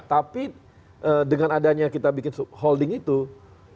tapi dengan adanya kita bikin holding itu yang di mana kita bisa menjaga kekuasaan